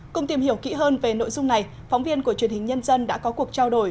cùng tìm hiểu kỹ hơn về nội dung này phóng viên của truyền hình nhân dân đã có cuộc trao đổi